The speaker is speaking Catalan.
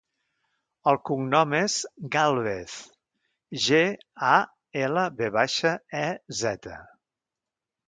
El cognom és Galvez: ge, a, ela, ve baixa, e, zeta.